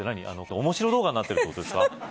おもしろ動画になってるってことですか？